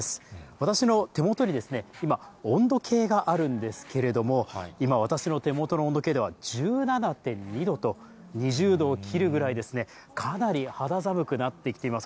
私の手元に今、温度計があるんですけれども、今、私の手元の温度計では１７．２度と、２０度を切るぐらいですね、かなり肌寒くなってきています。